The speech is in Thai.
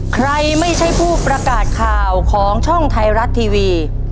ใครไม่ใช่ผู้ประกาศข่าวของช่องไทยรัฐทีวี